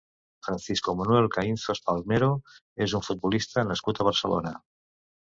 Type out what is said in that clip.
Francisco Manuel Caínzos Palmero és un futbolista nascut a Barcelona.